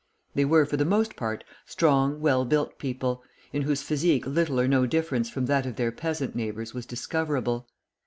They were, for the most part, strong, well built people, in whose physique little or no difference from that of their peasant neighbours was discoverable.